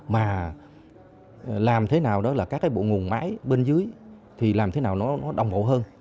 mà làm thế nào đó là các cái bộ nguồn máy bên dưới thì làm thế nào nó đồng hộ hơn